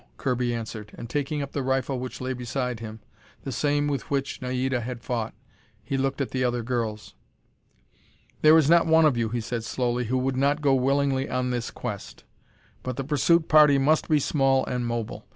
Kirby answered, and, taking up the rifle which lay beside him the same with which Naida had fought he looked at the other girls. "There is not one of you," he said slowly, "who would not go willingly on this quest. But the pursuit party must be small and mobile.